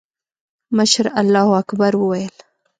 مشر الله اکبر وويل.